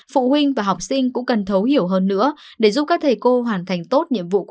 phụ huynh và học sinh cũng cần thấu hiểu hơn nữa để giúp các thầy cô hoàn thành tốt nhiệm vụ của